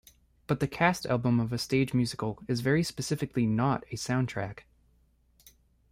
But the cast album of a stage musical is very specifically not a soundtrack.